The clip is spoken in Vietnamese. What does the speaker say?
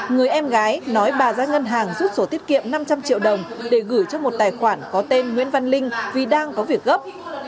người em gái nói bà ra ngân hàng rút sổ tiết kiệm năm trăm linh triệu đồng để gửi cho một tài khoản có tên nguyễn văn linh vì đang có việc gấp